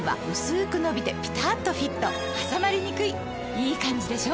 いいカンジでしょ？